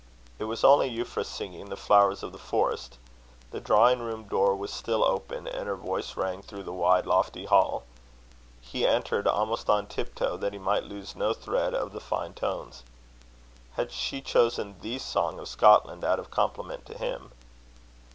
It was only Euphra singing The Flowers of the Forest. The drawing room door was still open, and her voice rang through the wide lofty hall. He entered almost on tip toe, that he might lose no thread of the fine tones. Had she chosen the song of Scotland out of compliment to him?